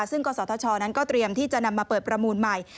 ซึ่งกศธชนั้นก็เตรียมที่จะนำมาเปิดประมูลใหม่